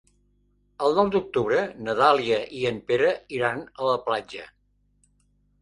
El nou d'octubre na Dàlia i en Pere iran a la platja.